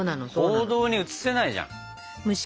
行動に移せないじゃん。